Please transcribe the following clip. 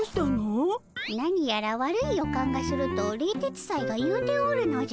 何やら悪い予感がすると冷徹斎が言うておるのじゃ。